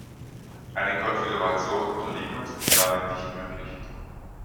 Eine Konfiguration unter Linux ist damit nicht möglich.